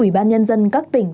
ủy ban nhân dân các tỉnh